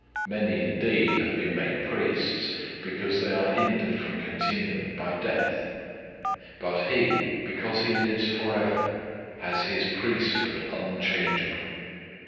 007:023 Many, indeed, have been made priests, because they are hindered from continuing by death. 007:024 But he, because he lives forever, has his priesthood unchangeable.